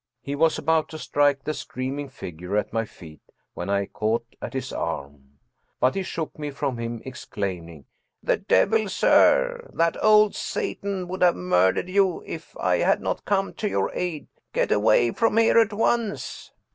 He was about to strike the screaming figure at my feet when I caught at his arm. But he shook me from him, exclaiming: " The devil, sir! That old Satan would have murdered you if I had not come to your aid. Get away from here at once